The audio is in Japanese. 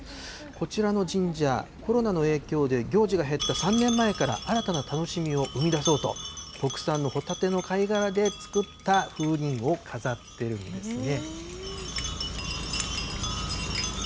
こちらの神社、コロナの影響で行事が減った３年前から、新たな楽しみを生み出そうと、国産のホタテの貝殻で作った風鈴を飾っているんですね。